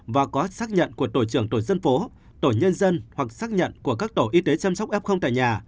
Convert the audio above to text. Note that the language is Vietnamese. và có xác nhận của tổ trưởng tổ dân phố tổ nhân dân hoặc xác nhận của các tổ y tế chăm sóc f tại nhà